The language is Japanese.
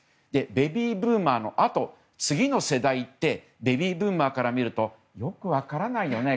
ベビーブーマーのあと次の世代ってベビーブーマーから見るとよく分からないよね